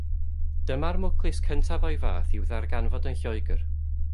Dyma'r mwclis cyntaf o'i fath i'w ddarganfod yn Lloegr.